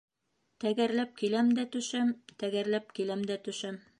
Тәгәрләп киләм дә төшәм, тәгәрләп киләм дә төшәм.